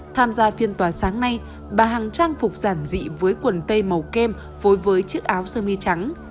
tham gia phiên tòa sáng nay bà hằng trang phục giản dị với quần tây màu kem phối với chiếc áo sơ mi trắng